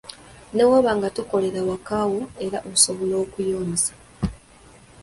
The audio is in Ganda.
Ne bw'oba nga tokolera waka wo, era osobola okuyonsa .